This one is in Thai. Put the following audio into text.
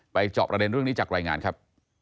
จอบประเด็นเรื่องนี้จากรายงานครับ